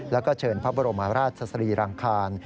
แล้วก็เชิญพระบรมราชสรีรังคาร